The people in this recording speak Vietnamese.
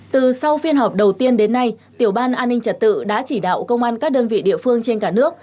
từ sau phiên họp đầu tiên đến nay tiểu ban an ninh trật tự đã chỉ đạo công an các đơn vị địa phương trên cả nước